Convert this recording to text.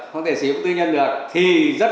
không thể chiếm cái ủng hộ tư nhân được